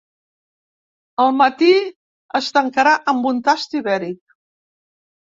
El matí es tancarà amb un tast ibèric.